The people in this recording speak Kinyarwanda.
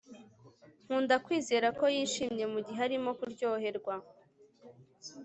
nkunda kwizera ko yishimye mugihe arimo kuryoherwa